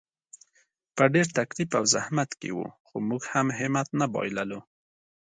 په ډېر تکلیف او زحمت کې وو، خو موږ هم همت نه بایللو.